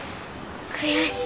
悔しい。